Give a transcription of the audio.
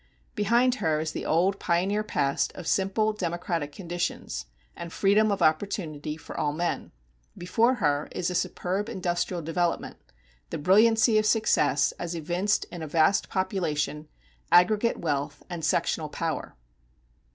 Behind her is the old pioneer past of simple democratic conditions, and freedom of opportunity for all men. Before her is a superb industrial development, the brilliancy of success as evinced in a vast population, aggregate wealth, and sectional power.